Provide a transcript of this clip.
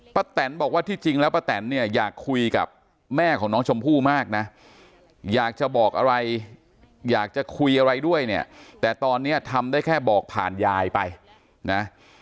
แตนบอกว่าที่จริงแล้วป้าแตนเนี่ยอยากคุยกับแม่ของน้องชมพู่มากนะอยากจะบอกอะไรอยากจะคุยอะไรด้วยเนี่ยแต่ตอนนี้ทำได้แค่บอกผ่านยายไปนะ